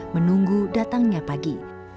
menunggu datangnya pagi